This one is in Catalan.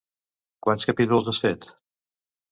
Quants capítols has fet?